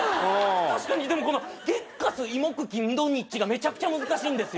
確かにでもこの「ゲッカスイモクキンドニッチ」がめちゃくちゃ難しいんですよ。